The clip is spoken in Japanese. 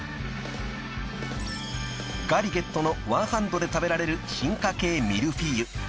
［ＧＡＲＩＧＵＥＴＴＥのワンハンドで食べられる進化系ミルフィーユ］